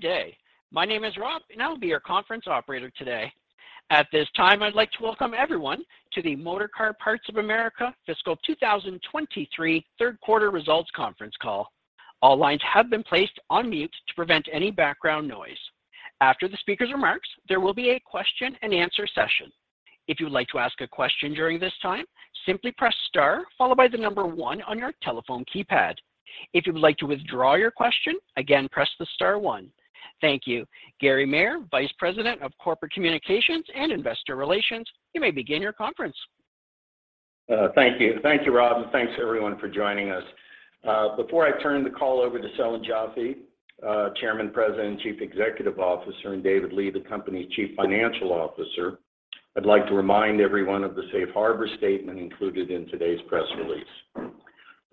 Good day. My name is Rob, I will be your conference operator today. At this time, I'd like to welcome everyone to the Motorcar Parts of America Fiscal 2023 Q3 Results Conference Call. Thank you. Gary Maier, Vice President of Corporate Communications and Investor Relations, you may begin your conference. Thank you. Thank you, Rob, and thanks everyone for joining us. Before I turn the call over to Selwyn Joffe, Chairman, President, and Chief Executive Officer, and David Lee, the company Chief Financial Officer, I'd like to remind everyone of the safe harbor statement included in today's press release.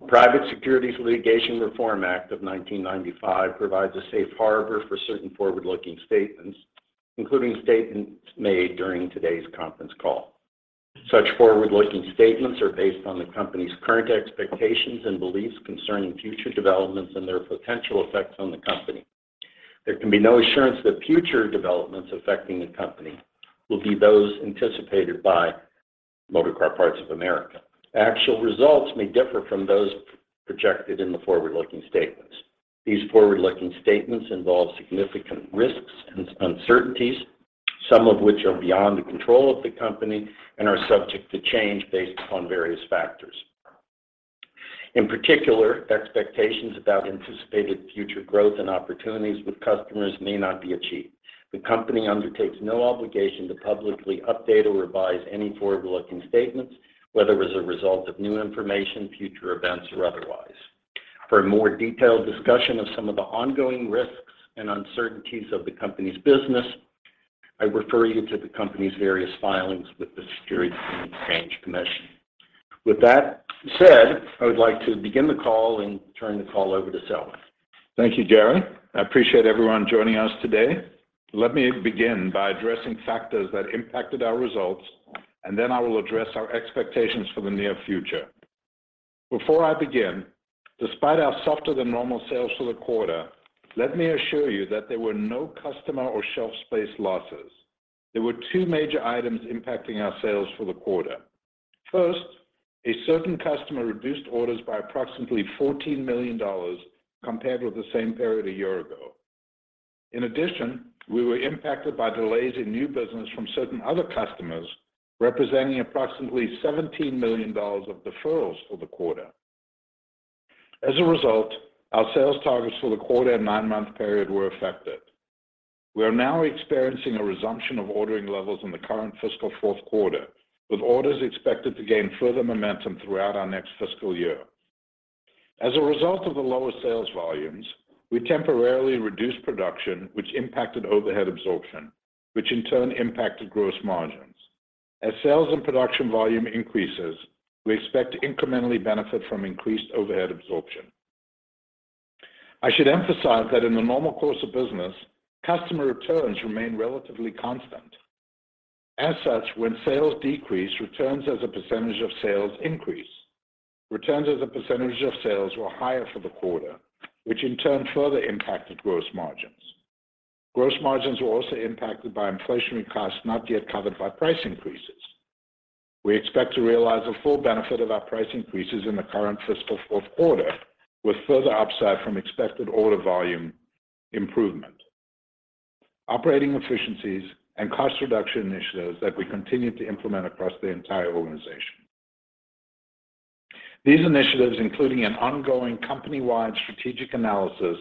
Private Securities Litigation Reform Act of 1995 provides a safe harbor for certain forward-looking statements, including statements made during today's conference call. Such forward-looking statements are based on the company's current expectations and beliefs concerning future developments and their potential effects on the company. There can be no assurance that future developments affecting the company will be those anticipated by Motorcar Parts of America. Actual results may differ from those projected in the forward-looking statements. These forward-looking statements involve significant risks and uncertainties, some of which are beyond the control of the company and are subject to change based upon various factors. In particular, expectations about anticipated future growth and opportunities with customers may not be achieved. The company undertakes no obligation to publicly update or revise any forward-looking statements, whether as a result of new information, future events, or otherwise. For a more detailed discussion of some of the ongoing risks and uncertainties of the company's business, I refer you to the company's various filings with the Securities and Exchange Commission. With that said, I would like to begin the call and turn the call over to Selwyn. Thank you, Gary. I appreciate everyone joining us today. Let me begin by addressing factors that impacted our results, and then I will address our expectations for the near future. Before I begin, despite our softer than normal sales for the quarter, let me assure you that there were no customer or shelf space losses. There were two major items impacting our sales for the quarter. First, a certain customer reduced orders by approximately $14 million compared with the same period a year ago. We were impacted by delays in new business from certain other customers, representing approximately $17 million of deferrals for the quarter. As a result, our sales targets for the quarter and nine-month period were affected. We are now experiencing a resumption of ordering levels in the current fiscal Q4, with orders expected to gain further momentum throughout our next fiscal year. As a result of the lower sales volumes, we temporarily reduced production, which impacted overhead absorption, which in turn impacted gross margins. As sales and production volume increases, we expect to incrementally benefit from increased overhead absorption. I should emphasize that in the normal course of business, customer returns remain relatively constant. As such, when sales decrease returns as a percentage of sales increase. Returns as a percentage of sales were higher for the quarter, which in turn further impacted gross margins. Gross margins were also impacted by inflationary costs not yet covered by price increases. We expect to realize the full benefit of our price increases in the current fiscal Q4, with further upside from expected order volume improvement, operating efficiencies, and cost reduction initiatives that we continue to implement across the entire organization. These initiatives, including an ongoing company-wide strategic analysis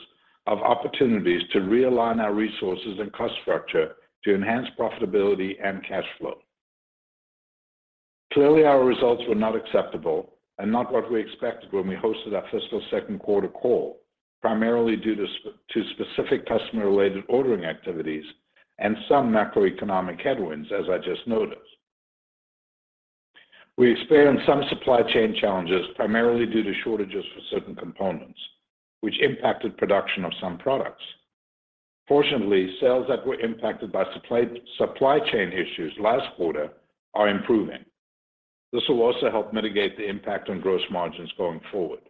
of opportunities to realign our resources and cost structure to enhance profitability and cash flow. Clearly, our results were not acceptable and not what we expected when we hosted our fiscal Q2 call, primarily due to specific customer-related ordering activities and some macroeconomic headwinds as I just noted. We experienced some supply chain challenges, primarily due to shortages for certain components, which impacted production of some products. Fortunately, sales that were impacted by supply chain issues last quarter are improving. This will also help mitigate the impact on gross margins going forward.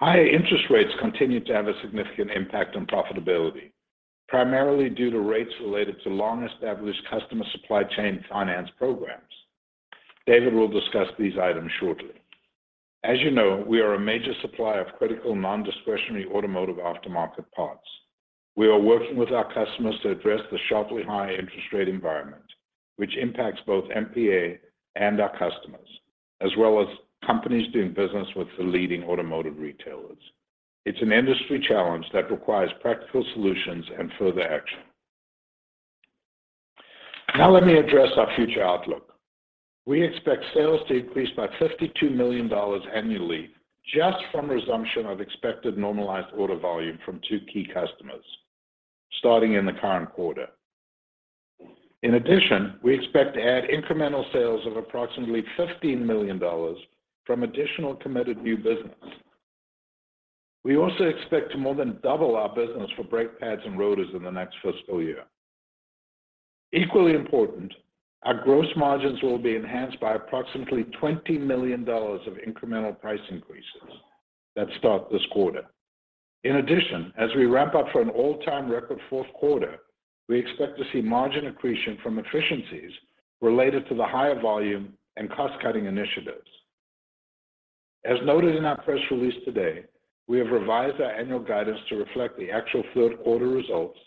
Higher interest rates continue to have a significant impact on profitability, primarily due to rates related to long-established customer supply chain finance programs. David will discuss these items shortly. As you know, we are a major supplier of critical non-discretionary automotive aftermarket parts. We are working with our customers to address the sharply high interest rate environment, which impacts both MPA and our customers, as well as companies doing business with the leading automotive retailers. It's an industry challenge that requires practical solutions and further action. Let me address our future outlook. We expect sales to increase by $52 million annually just from resumption of expected normalized order volume from two key customers starting in the current quarter. In adition we expect to add incremental sales of approximately $15 million from additional committed new business. We also expect to more than double our business for brake pads and rotors in the next fiscal year. Equally important, our gross margins will be enhanced by approximately $20 million of incremental price increases that start this quarter. In addition, as we ramp up for an all-time record Q4, we expect to see margin accretion from efficiencies related to the higher volume and cost-cutting initiatives. As noted in our press release today, we have revised our annual guidance to reflect the actual Q3 results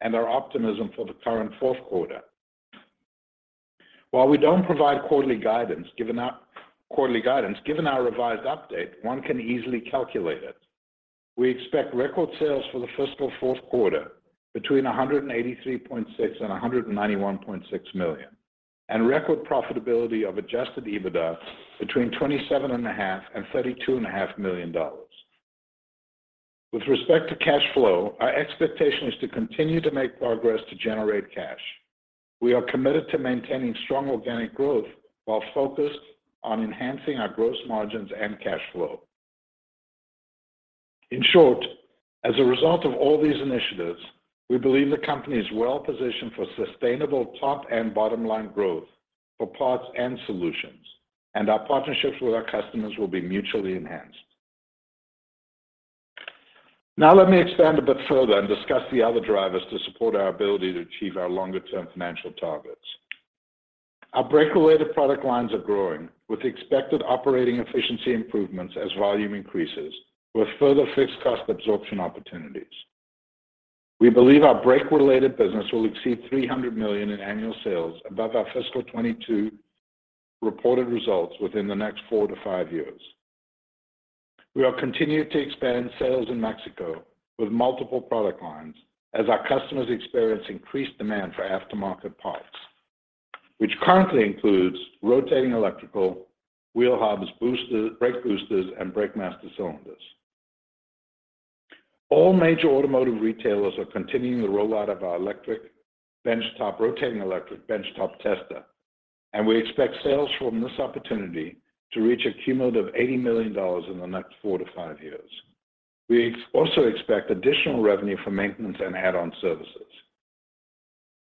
and our optimism for the current Q4. While we don't provide quarterly guidance, given our revised update, one can easily calculate it. We expect record sales for the fiscal Q4 between $183.6 million and $191.6 million, and record profitability of adjusted EBITDA between $27.5 million and $32.5 million. With respect to cash flow, our expectation is to continue to make progress to generate cash. We are committed to maintaining strong organic growth while focused on enhancing our gross margins and cash flow. In short, as a result of all these initiatives, we believe the company is well positioned for sustainable top and bottom line growth for parts and solutions. Our partnerships with our customers will be mutually enhanced. Let me expand a bit further and discuss the other drivers to support our ability to achieve our longer-term financial targets. Our brake-related product lines are growing, with expected operating efficiency improvements as volume increases, with further fixed cost absorption opportunities. We believe our brake-related business will exceed $300 million in annual sales above our fiscal 2022 reported results within the next four to five years. We are continuing to expand sales in Mexico with multiple product lines as our customers experience increased demand for aftermarket parts, which currently includes rotating electrical, wheel hubs, brake boosters, and brake master cylinders. All major automotive retailers are continuing the rollout of our rotating electrical benchtop tester, and we expect sales from this opportunity to reach a cumulative $80 million in the next four to five years. We also expect additional revenue for maintenance and add-on services.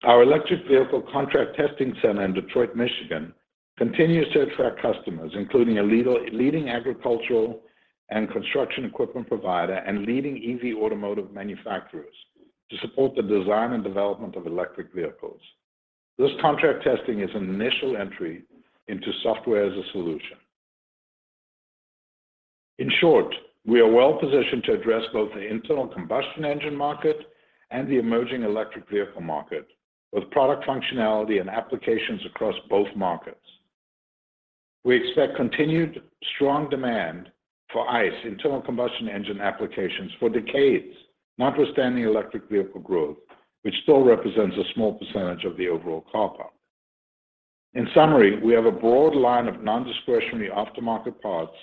Our electric vehicle contract testing center in Detroit, Michigan continues to attract customers, including a leading agricultural and construction equipment provider and leading EV automotive manufacturers to support the design and development of electric vehicles. This contract testing is an initial entry into Software-as-a-Solution. In short, we are well positioned to address both the internal combustion engine market and the emerging electric vehicle market, with product functionality and applications across both markets. We expect continued strong demand for ICE internal combustion engine applications for decades, notwithstanding electric vehicle growth, which still represents a small percentage of the overall car park. In summary, we have a broad line of non-discretionary aftermarket parts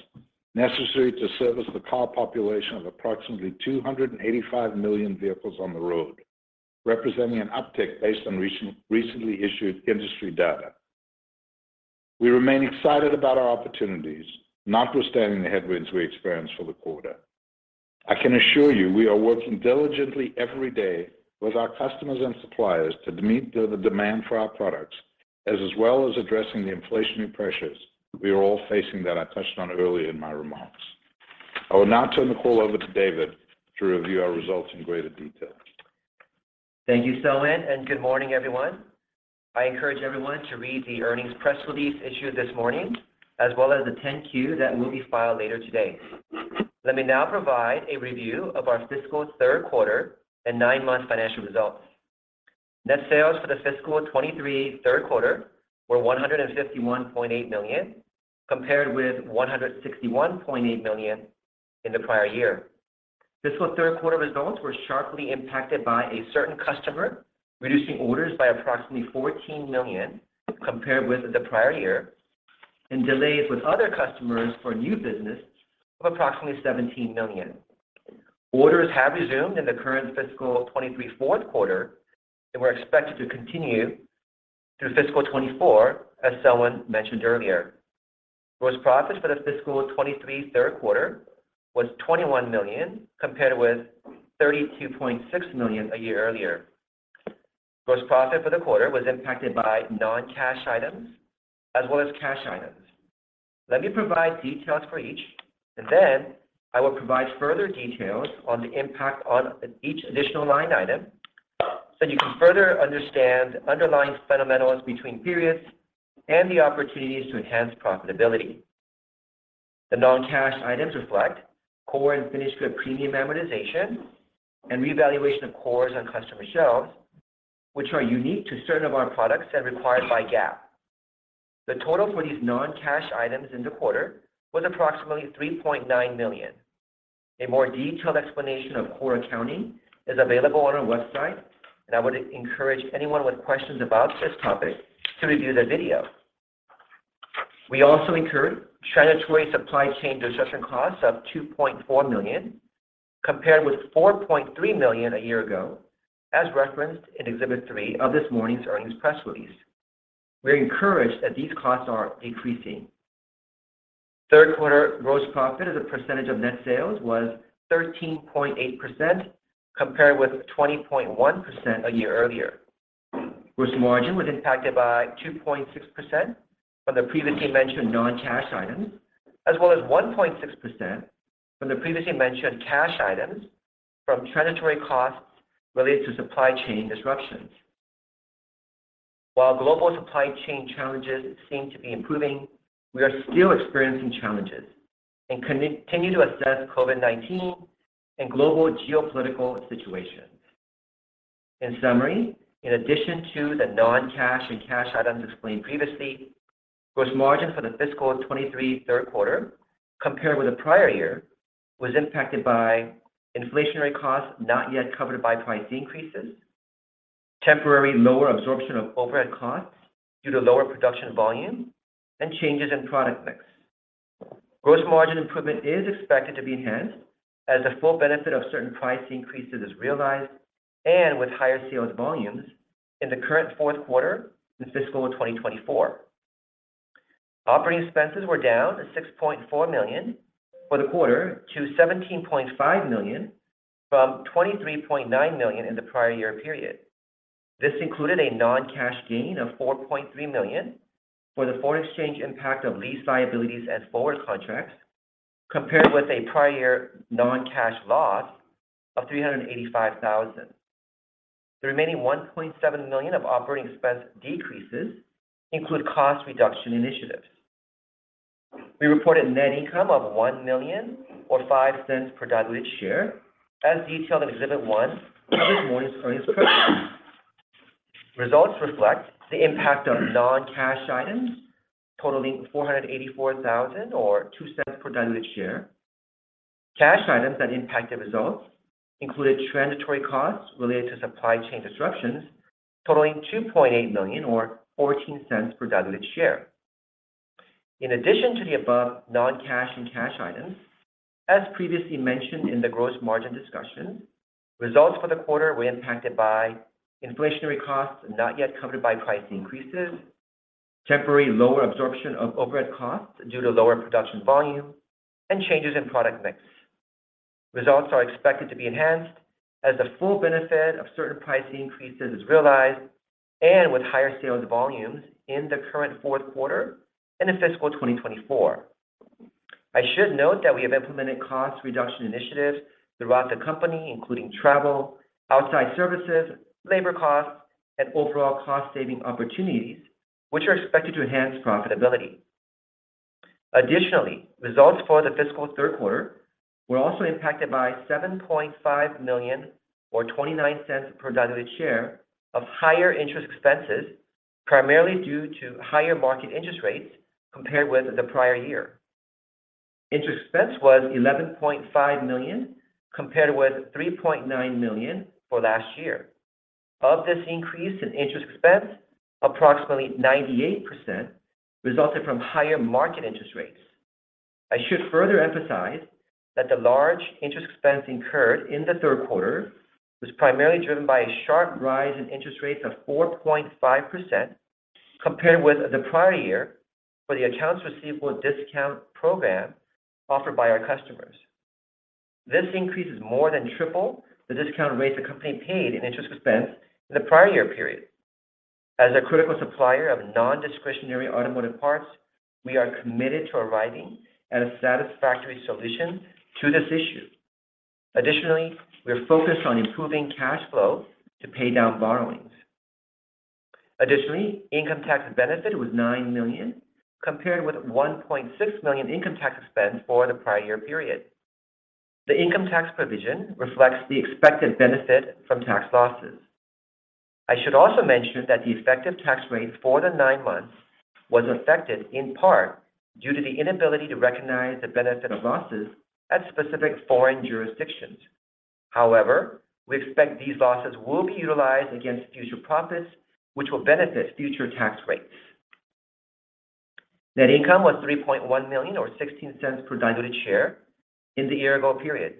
necessary to service the car population of approximately 285 million vehicles on the road, representing an uptick based on recently issued industry data. We remain excited about our opportunities notwithstanding the headwinds we experienced for the quarter. I can assure you we are working diligently every day with our customers and suppliers to meet the demand for our products as well as addressing the inflationary pressures that we are all facing that I touched on earlier in my remarks. I will now turn the call over to David to review our results in greater detail. Thank you, Selwyn. Good morning, everyone. I encourage everyone to read the earnings press release issued this morning, as well as the 10-Q that will be filed later today. Let me now provide a review of our fiscal Q3 and nine-month financial results. Net sales for the fiscal 2023 Q3 were $151.8 million, compared with $161.8 million in the prior year. Fiscal Q3 results were sharply impacted by a certain customer reducing orders by approximately $14 million compared with the prior year and delays with other customers for new business of approximately $17 million. Orders have resumed in the current fiscal 2023 Q4 and were expected to continue through fiscal 2024, as Selwyn mentioned earlier. Gross profit for the fiscal 2023 Q3 was $21 million, compared with $32.6 million a year earlier. Gross profit for the quarter was impacted by non-cash items as well as cash items. Let me provide details for each, and then I will provide further details on the impact on each additional line item so you can further understand underlying fundamentals between periods and the opportunities to enhance profitability. The non-cash items reflect core and finished good premium amortization and revaluation of cores on customer shelves, which are unique to certain of our products and required by GAAP. The total for these non-cash items in the quarter was approximately $3.9 million. A more detailed explanation of core accounting is available on our website, and I would encourage anyone with questions about this topic to review the video. We also incurred transitory supply chain disruption costs of $2.4 million, compared with $4.3 million a year ago, as referenced in exhibit three of this morning's earnings press release. We're encouraged that these costs are decreasing. Q3 gross profit as a percentage of net sales was 13.8% compared with 20.1% a year earlier. Gross margin was impacted by 2.6% from the previously mentioned non-cash items, as well as 1.6% from the previously mentioned cash items from transitory costs related to supply chain disruptions. While global supply chain challenges seem to be improving, we are still experiencing challenges and continue to assess COVID-19 and global geopolitical situations. In summary, in addition to the non-cash and cash items explained previously, gross margin for the fiscal 2023 Q3 compared with the prior year was impacted by inflationary costs not yet covered by price increases, temporary lower absorption of overhead costs due to lower production volume, and changes in product mix. Gross margin improvement is expected to be enhanced as the full benefit of certain price increases is realized and with higher sales volumes in the current Q4 and fiscal 2024. Operating expenses were down $6.4 million for the quarter to $17.5 million from $23.9 million in the prior year period. This included a non-cash gain of $4.3 million for the foreign exchange impact of lease liabilities and forward contracts compared with a prior year non-cash loss of $385,000. The remaining $1.7 million of operating expense decreases include cost reduction initiatives. We reported net income of $1 million or $0.05 per diluted share as detailed in Exhibit one of this morning's earnings presentation. Results reflect the impact of non-cash items totaling $484,000 or $0.02 per diluted share. Cash items that impacted results included transitory costs related to supply chain disruptions totaling $2.8 million or $0.14 per diluted share. In addition to the above non-cash and cash items, as previously mentioned in the gross margin discussion, results for the quarter were impacted by inflationary costs not yet covered by price increases, temporary lower absorption of overhead costs due to lower production volume, and changes in product mix. Results are expected to be enhanced as the full benefit of certain price increases is realized and with higher sales volumes in the current Q4 and in fiscal 2024. I should note that we have implemented cost reduction initiatives throughout the company, including travel, outside services, labor costs, and overall cost saving opportunities, which are expected to enhance profitability. Results for the fiscal Q3 were also impacted by $7.5 million or $0.29 per diluted share of higher interest expenses, primarily due to higher market interest rates compared with the prior year. Interest expense was $11.5 million compared with $3.9 million for last year. Of this increase in interest expense, approximately 98% resulted from higher market interest rates. I should further emphasize that the large interest expense incurred in the Q3 was primarily driven by a sharp rise in interest rates of 4.5% compared with the prior year for the accounts receivable discount program offered by our customers. This increase is more than triple the discount rate the company paid in interest expense in the prior year period. As a critical supplier of non-discretionary automotive parts, we are committed to arriving at a satisfactory solution to this issue. We are focused on improving cash flow to pay down borrowings. Income tax benefit was $9 million compared with $1.6 million income tax expense for the prior year period. The income tax provision reflects the expected benefit from tax losses. I should also mention that the effective tax rate for the nine months was affected in part due to the inability to recognize the benefit of losses at specific foreign jurisdictions. We expect these losses will be utilized against future profits, which will benefit future tax rates. Net income was $3.1 million or $0.16 per diluted share in the year-ago period.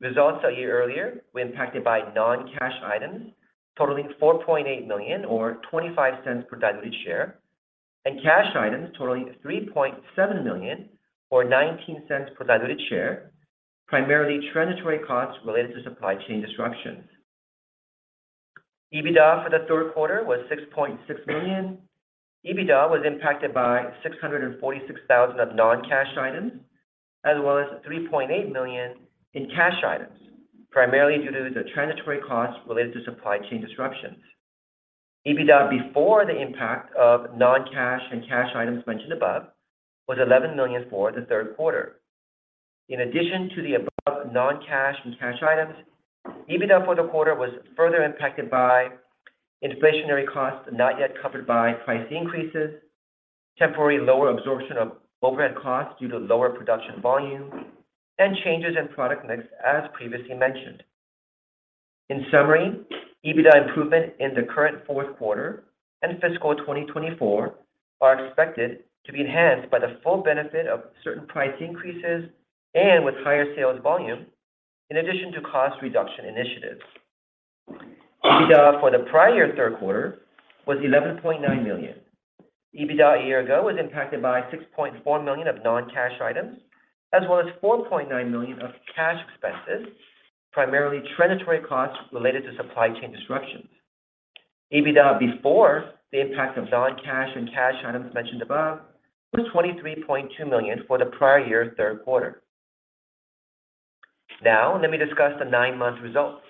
Results a year earlier were impacted by non-cash items totaling $4.8 million or $0.25 per diluted share and cash items totaling $3.7 million or $0.19 per diluted share, primarily transitory costs related to supply chain disruptions. EBITDA for the Q3 was $6.6 million. EBITDA was impacted by $646,000 of non-cash items as well as $3.8 million in cash items, primarily due to the transitory costs related to supply chain disruptions. EBITDA before the impact of non-cash and cash items mentioned above was $11 million for the Q3. In addition to the above non-cash and cash items, EBITDA for the quarter was further impacted by inflationary costs not yet covered by price increases, temporary lower absorption of overhead costs due to lower production volume, and changes in product mix as previously mentioned. In summary, EBITDA improvement in the current Q4 and fiscal 2024 are expected to be enhanced by the full benefit of certain price increases and with higher sales volume in addition to cost reduction initiatives. EBITDA for the prior Q3 was $11.9 million. EBITDA a year ago was impacted by $6.4 million of non-cash items, as well as $4.9 million of cash expenses, primarily transitory costs related to supply chain disruptions. EBITDA before the impact of non-cash and cash items mentioned above was $23.2 million for the prior year Q3. Let me discuss the nine-month results.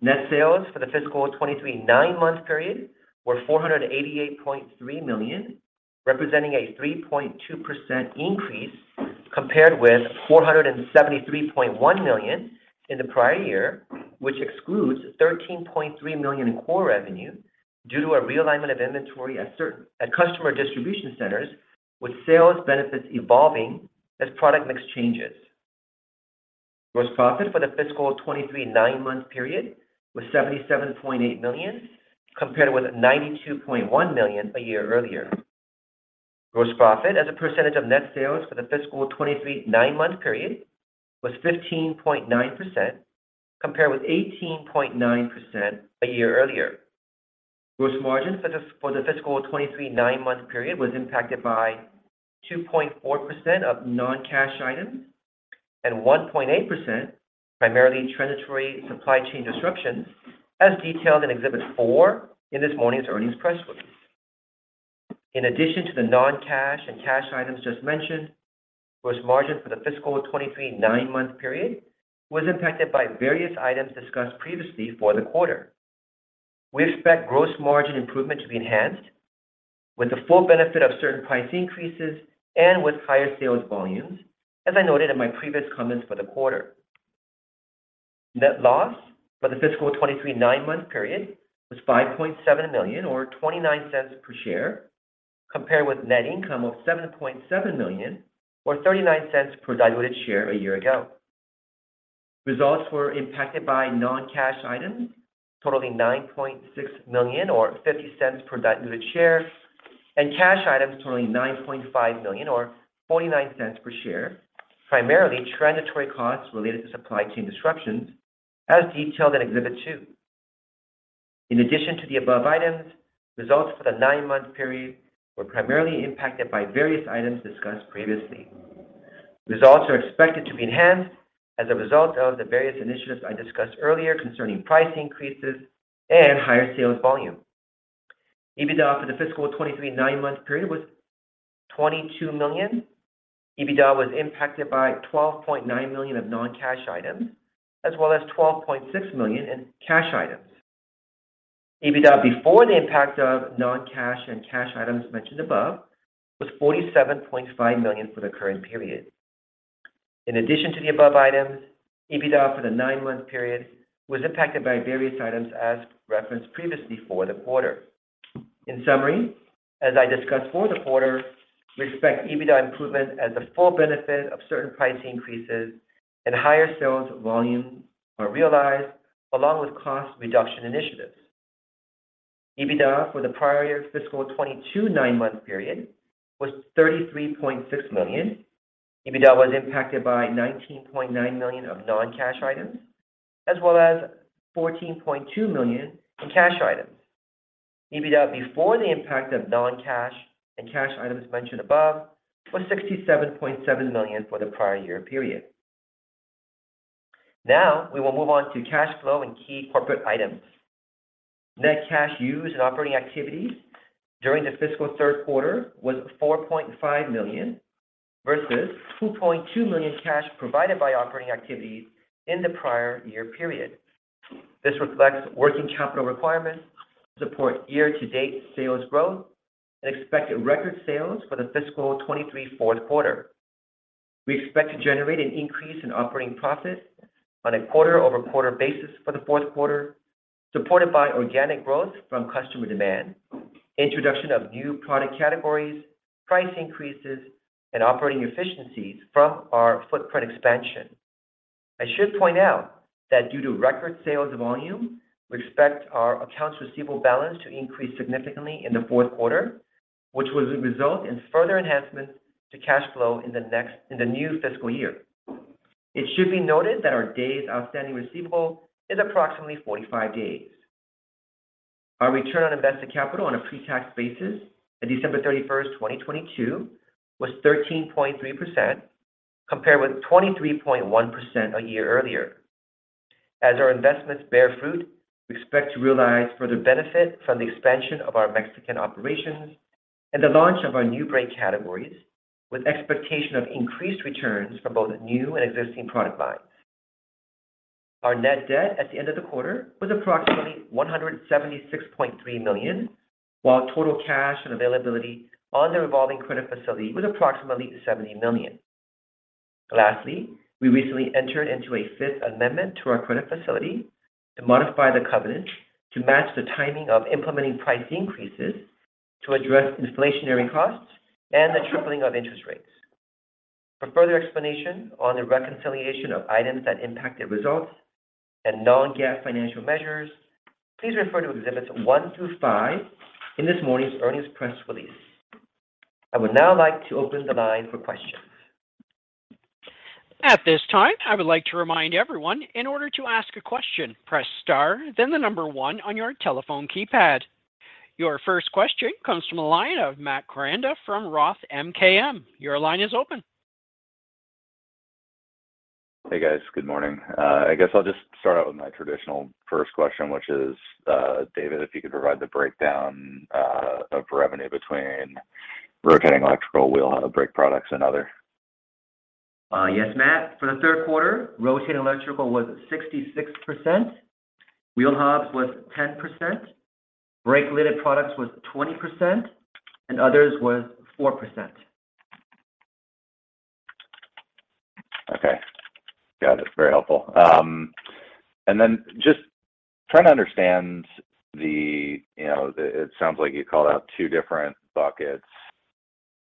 Net sales for the fiscal 2023 nine-month period were $488.3 million, representing a 3.2% increase compared with $473.1 million in the prior year, which excludes $13.3 million in core revenue due to a realignment of inventory at customer distribution centers, with sales benefits evolving as product mix changes. Gross profit for the fiscal 2023 nine-month period was $77.8 million, compared with $92.1 million a year earlier. Gross profit as a percentage of net sales for the fiscal 2023 nine-month period was 15.9%, compared with 18.9% a year earlier. Gross margin for the fiscal 2023 nine-month period was impacted by 2.4% of non-cash items and 1.8%, primarily transitory supply chain disruptions, as detailed in exhibit four in this morning's earnings press release. In addition to the non-cash and cash items just mentioned, gross margin for the fiscal 2023 nine-month period was impacted by various items discussed previously for the quarter. We expect gross margin improvement to be enhanced with the full benefit of certain price increases and with higher sales volumes, as I noted in my previous comments for the quarter. Net loss for the fiscal 2023 nine-month period was $5.7 million or $0.29 per share, compared with net income of $7.7 million or $0.39 per diluted share a year ago. Results were impacted by non-cash items totaling $9.6 million or $0.50 per diluted share, and cash items totaling $9.5 million or $0.49 per share, primarily transitory costs related to supply chain disruptions, as detailed in exhibit two. In addition to the above items, results for the nine-month period were primarily impacted by various items discussed previously. Results are expected to be enhanced as a result of the various initiatives I discussed earlier concerning price increases and higher sales volume. EBITDA for the fiscal 2023 nine-month period was $22 million. EBITDA was impacted by $12.9 million of non-cash items, as well as $12.6 million in cash items. EBITDA before the impact of non-cash and cash items mentioned above was $47.5 million for the current period. In addition to the above items, EBITDA for the nine-month period was impacted by various items as referenced previously for the quarter. In summary, as I discussed for the quarter, we expect EBITDA improvement as the full benefit of certain price increases and higher sales volume are realized along with cost reduction initiatives. EBITDA for the prior fiscal 2022 nine-month period was $33.6 million. EBITDA was impacted by $19.9 million of non-cash items, as well as $14.2 million in cash items. EBITDA before the impact of non-cash and cash items mentioned above was $67.7 million for the prior year period. Now we will move on to cash flow and key corporate items. Net cash used in operating activities during the fiscal Q3 was $4.5 million, versus $2.2 million cash provided by operating activities in the prior year period. This reflects working capital requirements to support year-to-date sales growth and expected record sales for the fiscal 2023 Q4. We expect to generate an increase in operating profit on a quarter-over-quarter basis for the Q4, supported by organic growth from customer demand, introduction of new product categories, price increases, and operating efficiencies from our footprint expansion. I should point out that due to record sales volume, we expect our accounts receivable balance to increase significantly in the Q4, which will result in further enhancements to cash flow in the new fiscal year. It should be noted that our days outstanding receivable is approximately 45 days. Our return on invested capital on a pre-tax basis at December 31st, 2022 was 13.3%, compared with 23.1% a year earlier. As our investments bear fruit, we expect to realize further benefit from the expansion of our Mexican operations and the launch of our new brand categories, with expectation of increased returns from both new and existing product lines. Our net debt at the end of the quarter was approximately $176.3 million, while total cash and availability on the revolving credit facility was approximately $70 million. Lastly, we recently entered into a Fifth Amendment to our credit facility to modify the covenants to match the timing of implementing price increases to address inflationary costs and the tripling of interest rates. For further explanation on the reconciliation of items that impacted results and non-GAAP financial measures, please refer to exhibits 1-5 in this morning's earnings press release. I would now like to open the line for questions. At this time, I would like to remind everyone, in order to ask a question, press star then the 1 on your telephone keypad. Your first question comes from the line of Matt Koranda from Roth MKM. Your line is open. Hey guys. Good morning. I guess I'll just start out with my traditional first question, which is, David, if you could provide the breakdown of revenue between rotating electrical wheel hub brake products and other. Yes, Matt. For the Q3, rotating electrical was 66%, wheel hubs was 10%, brake-related products was 20%, and others was 4%. Okay. Got it. Very helpful. Just trying to understand You know, it sounds like you called out two different buckets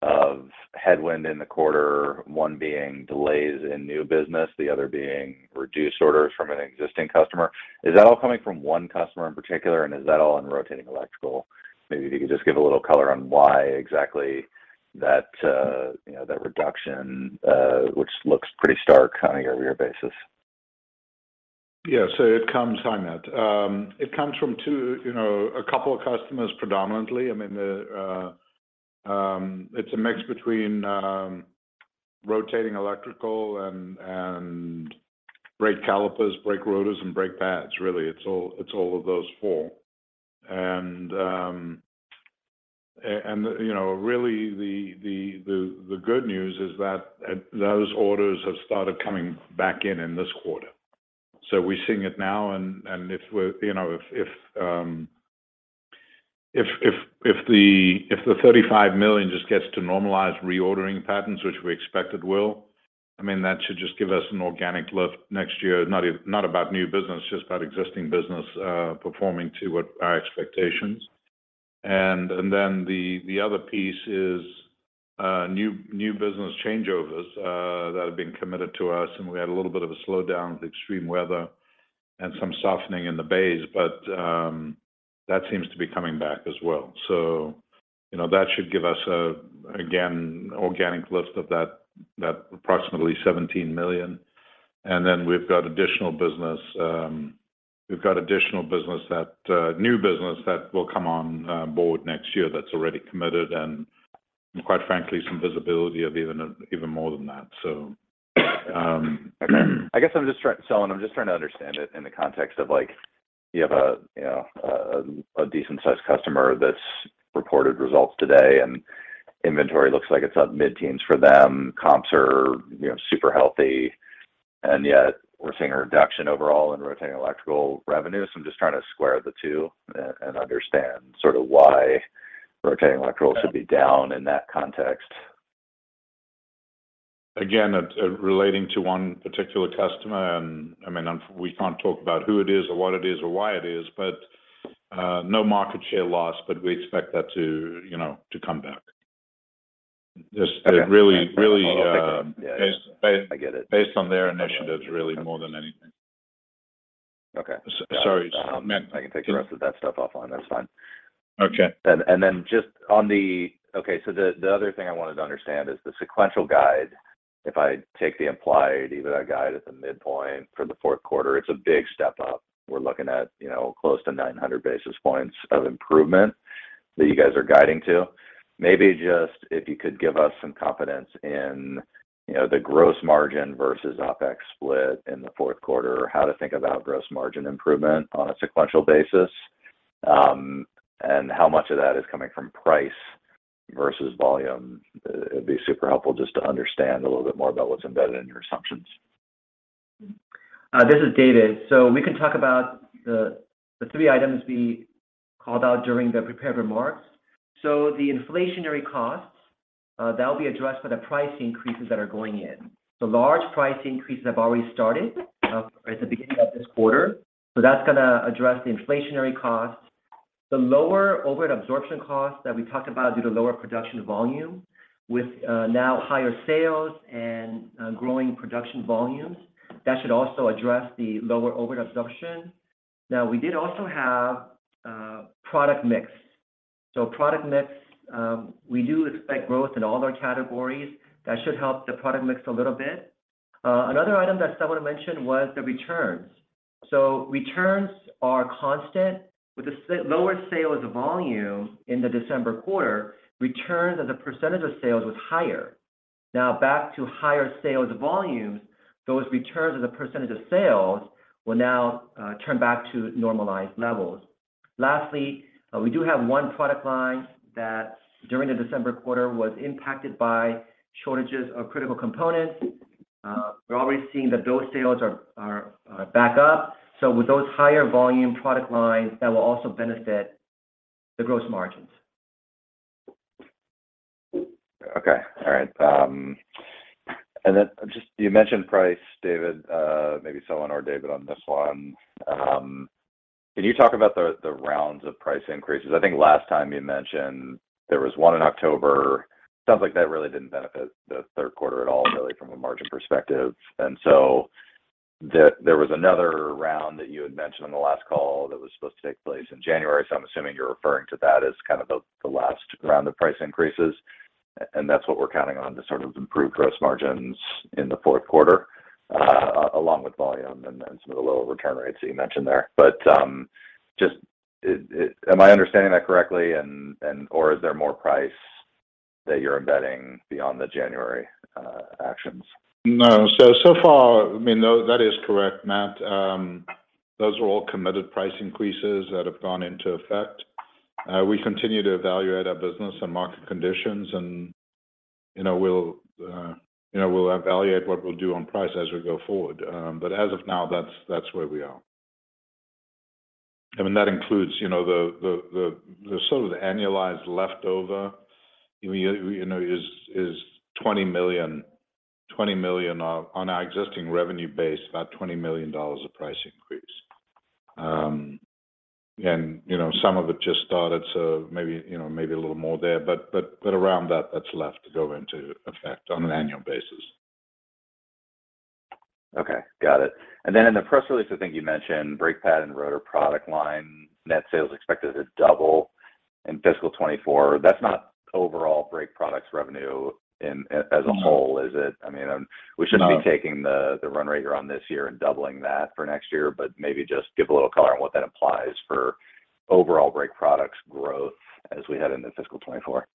of headwind in the quarter. One being delays in new business, the other being reduced orders from an existing customer. Is that all coming from one customer in particular, and is that all in rotating electrical? Maybe if you could just give a little color on why exactly that, you know, that reduction, which looks pretty stark on a year-over-year basis? Yeah. It comes, hi Matt. It comes from two, you know, a couple of customers predominantly. I mean, it's a mix between rotating electrical and brake calipers, brake rotors, and brake pads really. It's all, it's all of those four. You know, really the good news is that those orders have started coming back in in this quarter. We're seeing it now and, if we're, you know, if the $35 million just gets to normalized reordering patterns, which we expect it will, I mean, that should just give us an organic lift next year. Not about new business, just about existing business, performing to what our expectations. The other piece is new business changeovers that have been committed to us, and we had a little bit of a slowdown with extreme weather and some softening in the bays. That seems to be coming back as well. You know, that should give us again, organic lift of that approximately $17 million. We've got additional business, we've got additional business that new business that will come on board next year that's already committed and quite frankly some visibility of even more than that. Okay. I guess I'm just trying, Selwyn, I'm just trying to understand it in the context of, like, you have a, you know, a, a decent sized customer that's reported results today and inventory looks like it's up mid-teens for them. Comps are, you know, super healthy, and yet we're seeing a reduction overall in rotating electrical revenues. I'm just trying to square the two and understand sort of why rotating electrical should be down in that context? It relating to one particular customer and, I mean, we can't talk about who it is or what it is or why it is. No market share loss, but we expect that to, you know, to come back. Just it really. Okay. Really. I'll take that. Yeah. Based. I get it. based on their initiatives really more than anything. Okay. sorry, Matt, I can take the rest of that stuff offline. That's fine. Okay. Okay, the other thing I wanted to understand is the sequential guide. If I take the implied EBITDA guide at the midpoint for the Q4, it's a big step up. We're looking at, you know, close to 900 basis points of improvement that you guys are guiding to. Maybe just if you could give us some confidence in, you know, the gross margin versus OpEx split in the Q4, or how to think about gross margin improvement on a sequential basis. And how much of that is coming from price versus volume. It'd be super helpful just to understand a little bit more about what's embedded in your assumptions. This is David. We can talk about the three items we called out during the prepared remarks. The inflationary costs, that'll be addressed by the price increases that are going in. The large price increases have already started at the beginning of this quarter, that's gonna address the inflationary costs. The lower overhead absorption costs that we talked about due to lower production volume with now higher sales and growing production volumes, that should also address the lower overhead absorption. We did also have product mix. Product mix, we do expect growth in all our categories. That should help the product mix a little bit. Another item that Selwyn mentioned was the returns. Returns are constant. With the lower sales volume in the December quarter, returns as a percentage of sales was higher. Now back to higher sales volumes, those returns as a percentage of sales will now turn back to normalized levels. Lastly, we do have one product line that during the December quarter was impacted by shortages of critical components. We're already seeing that those sales are back up. With those higher volume product lines, that will also benefit the gross margins. Okay. All right. Then just you mentioned price, David. Maybe Selwyn or David on this one. Can you talk about the rounds of price increases? I think last time you mentioned there was one in October. Sounds like that really didn't benefit the Q3 at all really from a margin perspective. There was another round that you had mentioned on the last call that was supposed to take place in January, so I'm assuming you're referring to that as kind of the last round of price increases. That's what we're counting on to sort of improve gross margins in the Q4, along with volume and then some of the lower return rates that you mentioned there. Just am I understanding that correctly or is there more price that you're embedding beyond the January actions? So far, I mean, no, that is correct, Matt. Those are all committed price increases that have gone into effect. We continue to evaluate our business and market conditions and, you know, we'll, you know, we'll evaluate what we'll do on price as we go forward. As of now, that's where we are. I mean, that includes, you know, the sort of the annualized leftover, you know, is $20 million. $20 million on our existing revenue base, about $20 million of price increase. And, you know, some of it just started, so maybe, you know, maybe a little more there. But around that's left to go into effect on an annual basis. Okay. Got it. Then in the press release, I think you mentioned brake pad and rotor product line net sales expected to double in fiscal 2024. That's not overall brake products revenue as a whole, is it? No. I mean. No ...taking the run rate around this year and doubling that for next year, but maybe just give a little color on what that implies for overall brake products growth as we head into fiscal 2024.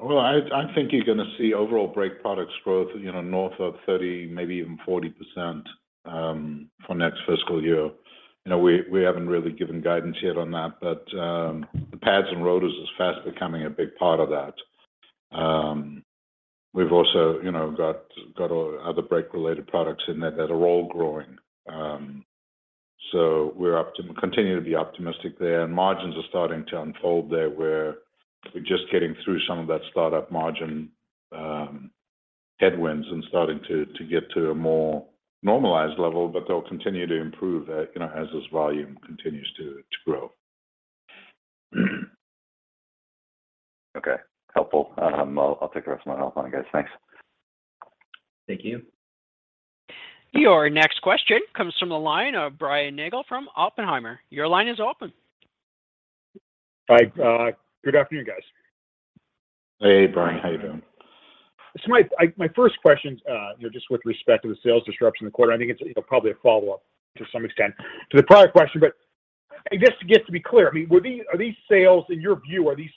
Well, I think you're gonna see overall brake products growth, you know, north of 30, maybe even 40%, for next fiscal year. You know, we haven't really given guidance yet on that, the pads and rotors is fast becoming a big part of that. We've also, you know, got other brake related products in there that are all growing. We continue to be optimistic there, margins are starting to unfold there, where we're just getting through some of that startup margin, headwinds and starting to get to a more normalized level, they'll continue to improve, you know, as this volume continues to grow. Okay. Helpful. I'll take the rest of my time off, guys. Thanks. Thank you. Your next question comes from the line of Brian Nagel from Oppenheimer. Your line is open. Hi. good afternoon, guys. Hey, Brian. How you doing? My first question, you know, just with respect to the sales disruption in the quarter, I think it's, you know, probably a follow-up to some extent to the prior question. I guess to get to be clear, I mean, are these sales, in your view, are these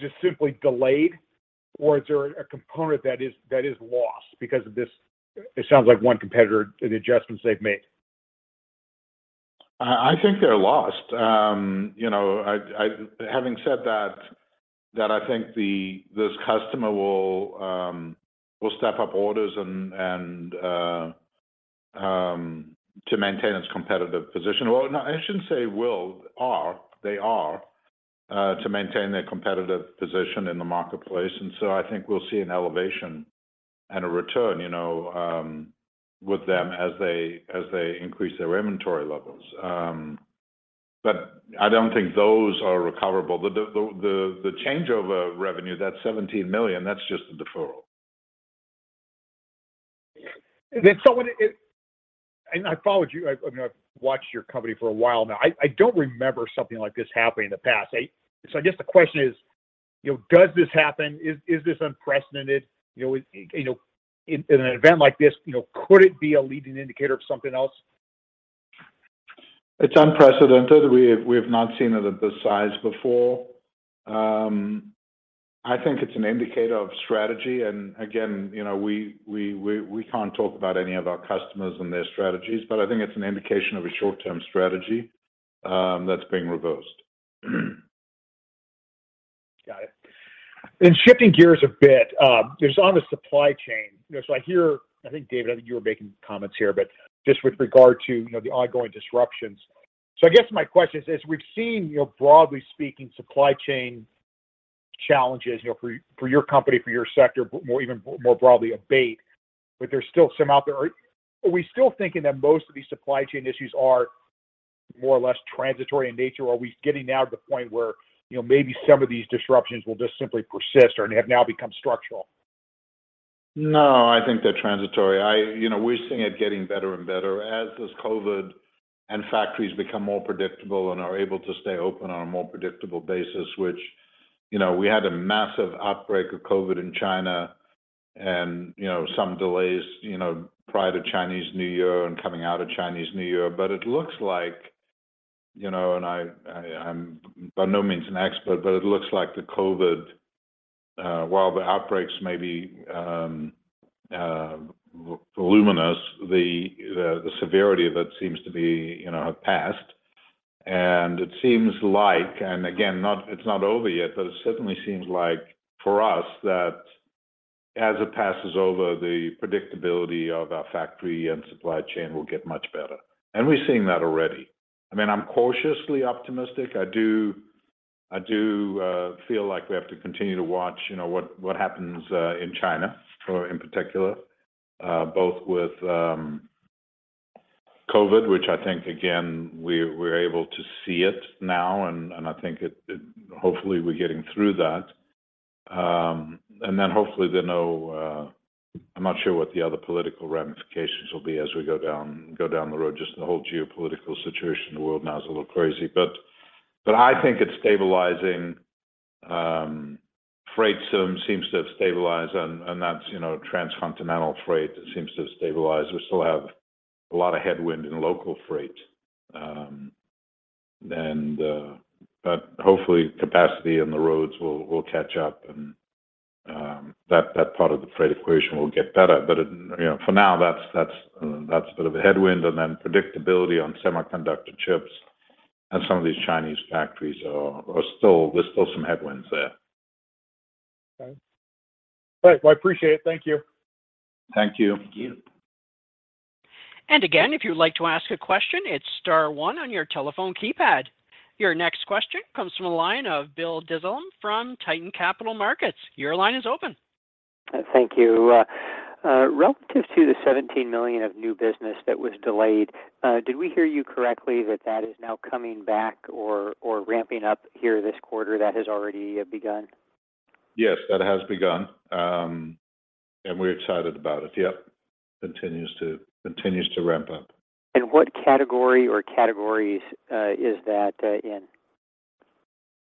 sales just simply delayed, or is there a component that is lost because of this, it sounds like one competitor and the adjustments they've made? I think they're lost. you know, Having said that, I think this customer will step up orders and to maintain its competitive position. Well, no, I shouldn't say will, are. They are to maintain their competitive position in the marketplace. I think we'll see an elevation and a return, you know, with them as they, as they increase their inventory levels. I don't think those are recoverable. The changeover revenue, that $17 million, that's just a deferral. I followed you. I mean, I've watched your company for a while now. I don't remember something like this happening in the past. I guess the question is, you know, does this happen? Is this unprecedented? You know, in an event like this, you know, could it be a leading indicator of something else? It's unprecedented. We have not seen it at this size before. I think it's an indicator of strategy. Again, you know, we can't talk about any of our customers and their strategies, but I think it's an indication of a short-term strategy, that's being reversed. Got it. shifting gears a bit, just on the supply chain. You know, I hear, I think, David, I think you were making comments here, but just with regard to, you know, the ongoing disruptions. I guess my question is, as we've seen, you know, broadly speaking, supply chain challenges, you know, for your company, for your sector, even more broadly abate, but there's still some out there. Are we still thinking that most of these supply chain issues are more or less transitory in nature? Are we getting now to the point where, you know, maybe some of these disruptions will just simply persist or have now become structural? No, I think they're transitory. You know, we're seeing it getting better and better as this COVID and factories become more predictable and are able to stay open on a more predictable basis, which, you know, we had a massive outbreak of COVID in China and, you know, some delays, you know, prior to Chinese New Year and coming out of Chinese New Year. It looks like, you know, and I'm by no means an expert, but it looks like the COVID, while the outbreaks may be voluminous, the severity of it seems to be, you know, have passed. It seems like, and again, it's not over yet, but it certainly seems like for us that as it passes over, the predictability of our factory and supply chain will get much better. We've seen that already. I mean, I'm cautiously optimistic. I do feel like we have to continue to watch, you know, what happens in China, in particular, both with COVID, which I think again we're able to see it now, and I think it hopefully we're getting through that. Hopefully there are no I'm not sure what the other political ramifications will be as we go down the road. Just the whole geopolitical situation in the world now is a little crazy. I think it's stabilizing. Freight seems to have stabilized and that's, you know, transcontinental freight seems to have stabilized. We still have a lot of headwind in local freight. Hopefully capacity in the roads will catch up and that part of the freight equation will get better. It, you know, for now, that's a bit of a headwind. Predictability on semiconductor chips and some of these Chinese factories are still... there's still some headwinds there. Okay. All right. Well, I appreciate it. Thank you. Thank you. Thank you. Your next question comes from the line of Bill Dezellem from Tieton Capital Markets. Your line is open. Thank you. relative to the $17 million of new business that was delayed, did we hear you correctly that that is now coming back or ramping up here this quarter that has already, begun? Yes, that has begun. We're excited about it. Yep, continues to ramp up. What category or categories, is that, in?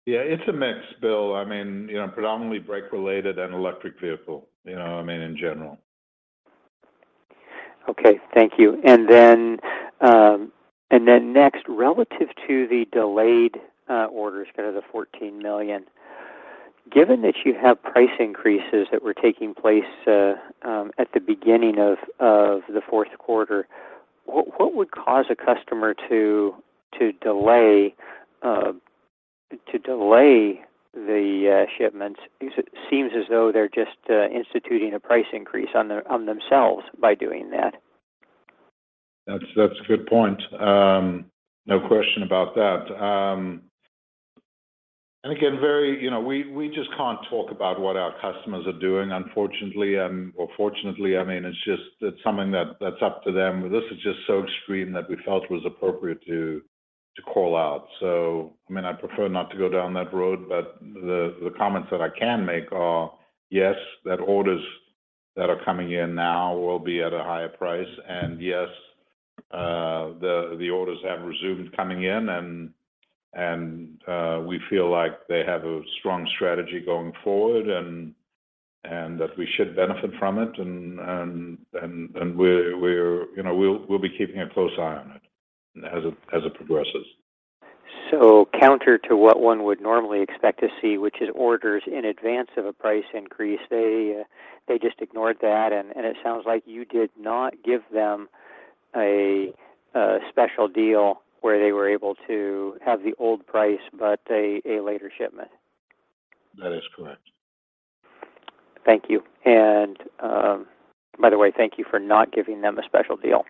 Yeah, it's a mix, Bill. I mean, you know, predominantly brake related and electric vehicle, you know what I mean? In general. Okay. Thank you. Next, relative to the delayed orders, kind of the $14 million, given that you have price increases that were taking place at the beginning of the Q4, what would cause a customer to delay the shipments? It seems as though they're just instituting a price increase on their, on themselves by doing that. That's a good point. No question about that. And again, very, you know, we just can't talk about what our customers are doing, unfortunately, or fortunately. I mean, it's something that's up to them. This is just so extreme that we felt it was appropriate to call out. I mean, I'd prefer not to go down that road, but the comments that I can make are, yes, that orders that are coming in now will be at a higher price. Yes, the orders have resumed coming in and we feel like they have a strong strategy going forward and that we should benefit from it. We're, you know, we'll be keeping a close eye on it as it progresses. Counter to what one would normally expect to see, which is orders in advance of a price increase, they just ignored that. It sounds like you did not give them a special deal where they were able to have the old price but a later shipment. That is correct. Thank you. By the way, thank you for not giving them a special deal.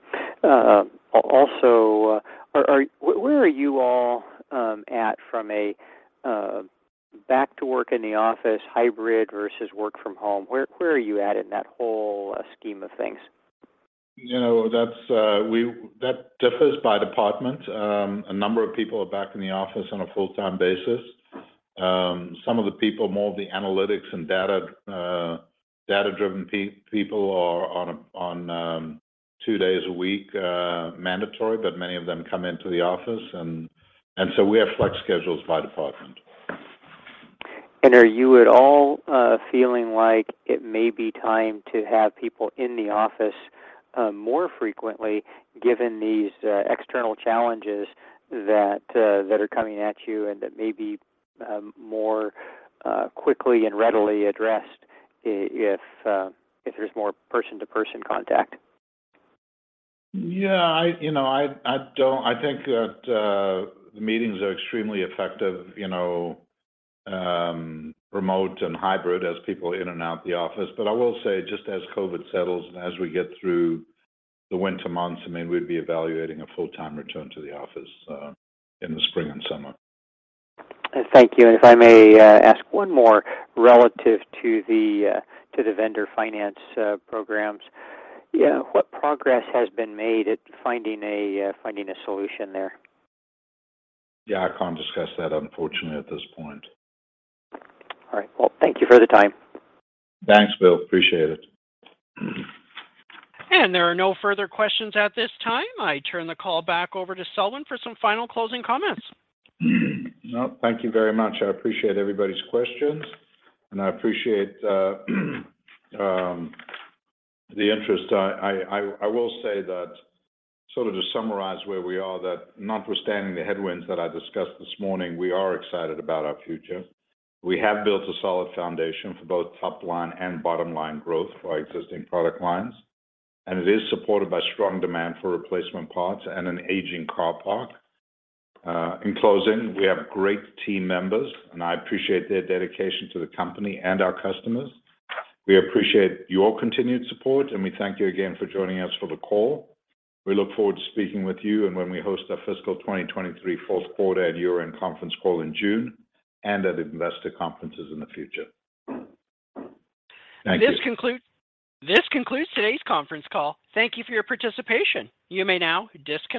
Also, where are you all at from a back to work in the office hybrid versus work from home? Where are you at in that whole scheme of things? You know, that differs by department. A number of people are back in the office on a full-time basis. Some of the people, more of the analytics and data-driven people are on a two days a week mandatory, but many of them come into the office and so we have flex schedules by department. Are you at all, feeling like it may be time to have people in the office, more frequently given these external challenges that are coming at you and that may be more quickly and readily addressed if there's more person to person contact? Yeah, I, you know, I think that the meetings are extremely effective, you know, remote and hybrid as people are in and out the office. I will say, just as COVID settles and as we get through the winter months, I mean, we'd be evaluating a full-time return to the office, in the spring and summer. Thank you. If I may, ask one more relative to the to the vendor finance programs. What progress has been made at finding a finding a solution there? Yeah, I can't discuss that unfortunately at this point. All right. Well, thank you for the time. Thanks, Bill. Appreciate it. There are no further questions at this time. I turn the call back over to Selwyn for some final closing comments. Thank you very much. I appreciate everybody's questions, and I appreciate the interest. I will say that sort of to summarize where we are, that notwithstanding the headwinds that I discussed this morning, we are excited about our future. We have built a solid foundation for both top line and bottom line growth for our existing product lines, and it is supported by strong demand for replacement parts and an aging car park. In closing, we have great team members, and I appreciate their dedication to the company and our customers. We appreciate your continued support, and we thank you again for joining us for the call. We look forward to speaking with you and when we host our fiscal 2023 Q4 and year-end conference call in June and at investor conferences in the future. Thank you. This concludes today's conference call. Thank you for your participation. You may now disconnect.